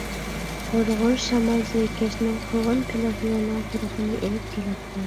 غۇر-غۇر شامال زەيكەشنىڭ، قوغۇن پېلەكلىرىنىڭ پۇرىقىنى ئېلىپ كېلەتتى.